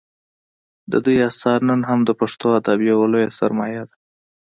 د دوی اثار نن هم د پښتو ادب یوه لویه سرمایه ده